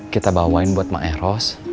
kita bawain buat mak eh ros